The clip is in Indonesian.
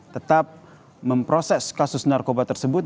tetap memproses kasus narkoba tersebut